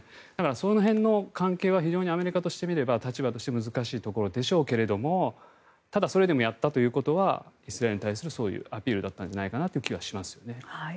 その関係はアメリカとしては立場として難しいところでしょうけどただそれでもやったということはイスラエルに対するアピールだったんじゃないかなという気はしますね。